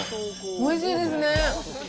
おいしいですね。